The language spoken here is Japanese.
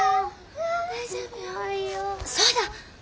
そうだ！